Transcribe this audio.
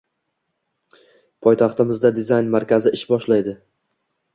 Poytaxtimizda dizayn markazi ish boshlayding